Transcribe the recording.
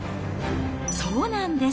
そうなんです。